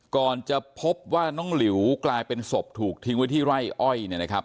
ก่อนจะพบว่าน้องหลิวกลายเป็นศพถูกทิ้งไว้ที่ไร่อ้อยเนี่ยนะครับ